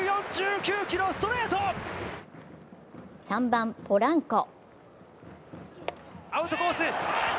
３番・ポランコ。